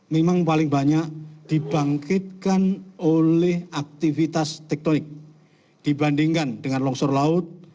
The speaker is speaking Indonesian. memang paling banyak dibangkitkan oleh aktivitas tektonik dibandingkan dengan longsor laut